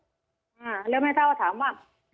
ยายก็ยังแอบไปขายขนมแล้วก็ไปถามเพื่อนบ้านว่าเห็นไหมอะไรยังไง